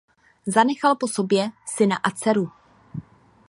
Zanechal po sobě syna a dceru.